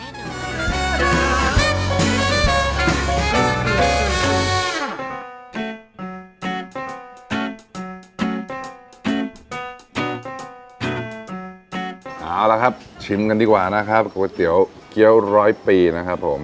เอาละครับชิมกันดีกว่านะครับก๋วยเตี๋ยวเกี้ยวร้อยปีนะครับผม